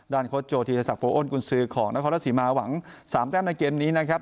ด้านโค้ดโจธีรศักดิ์โปรอ้นคุณซื้อของนครทัศน์ศรีมาหวัง๓แต้มในเกมนี้นะครับ